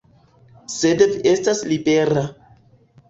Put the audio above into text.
Sed vi estas libera.